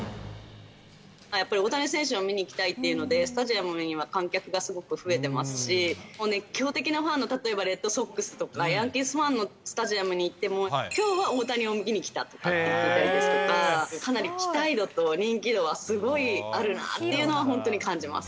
やっぱり大谷選手を見に行きたいっていうので、スタジアムには観客がすごく増えていますし、熱狂的なファンの例えばレッドソックスとかヤンキースファンのスタジアムに行っても、きょうは大谷を見に来たと言ったりですとか、かなり期待度と人気度はすごいあるなっていうのは本当に感じます。